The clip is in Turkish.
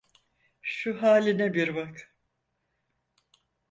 Şu haline bir bak!